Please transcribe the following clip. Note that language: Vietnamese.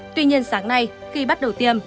tuy nhiên sáng nay khi bắt đầu tiêm